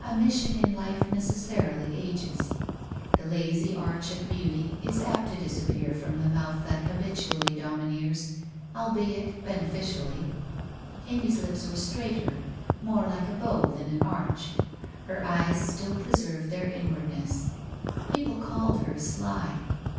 A mission in life neces sarily ages. The lazy arch of beauty is apt to disappear from the mouth that habitually domineers, albeit benefi cially. Amy's lips were straighter, more like a bow than an arch. Her eyes still preserved their inwardness. Peo WHITE ROSE OF WEARY LEAF 155 pie called her sly.